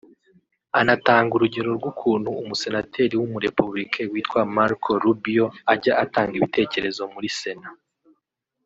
Anatanga urugero rw’ukuntu umusenateri w’umurepubulike witwa Marco Rubio ajya atanga ibitekerezo muri sena